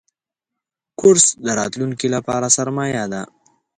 کورس د راتلونکي لپاره سرمایه ده.